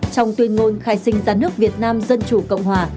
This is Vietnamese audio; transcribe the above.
trong tuyên ngôn khai sinh ra nước việt nam dân chủ cộng hòa